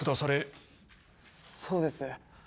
そうです。